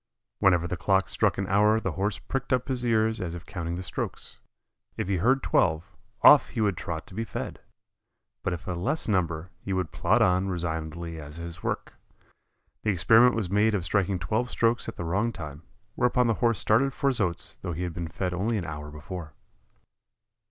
Whenever the clock struck an hour the Horse pricked up his ears as if counting the strokes. If he heard twelve, off he would trot to be fed, but if a less number he would plod on resignedly at his work. The experiment was made of striking twelve strokes at the wrong time, whereupon the Horse started for his oats though he had been fed only an hour before.